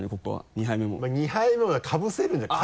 ２杯目もかぶせるんじゃない？